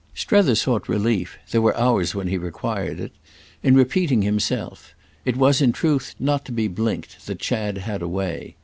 Strether sought relief—there were hours when he required it—in repeating himself; it was in truth not to be blinked that Chad had a way.